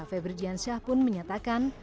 febrjian syah pun menyatakan